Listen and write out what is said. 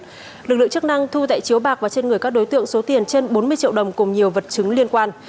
trước đó lực lượng chức năng thu tại chiếu bạc và trên người các đối tượng số tiền trên bốn mươi triệu đồng cùng nhiều vật chứng liên quan